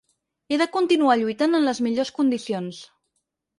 He de continuar lluitant en les millors condicions.